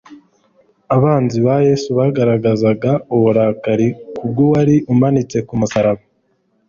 Abanzi ba Yesu bagaragazaga uburakari kubw'uwari umanitswe ku musaraba.